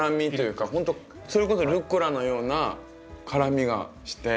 ほんとそれこそルッコラのような辛みがして。